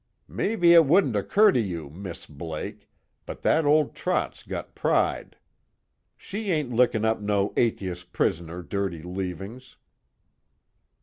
"Maybe it wouldn't occur to you, Miss Blake, but that old trot's got pride. She ain't lickin' up no at'eist prisoner's dirty leavings.